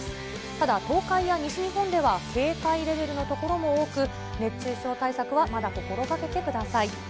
ただ東海や西日本では警戒レベルの所も多く、熱中症対策はまだ心がけてください。